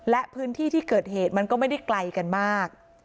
และพื้นที่ที่เกิดเหตุมันก็ไม่ได้ไกลกันมาก